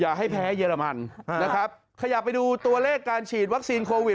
ให้แพ้เยอรมันนะครับขยับไปดูตัวเลขการฉีดวัคซีนโควิด